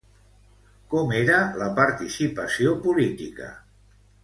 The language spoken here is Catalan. Com era la participació política?